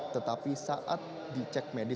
tetapi saat ditemukan